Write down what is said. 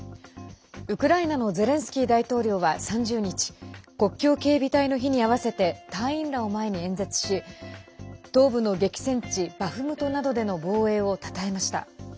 ウクライナのゼレンスキー大統領は３０日国境警備隊の日に合わせて隊員らを前に演説し東部の激戦地バフムトなどでの防衛をたたえました。